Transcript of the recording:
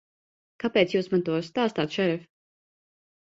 Kāpēc Jūs man to stāstāt, šerif?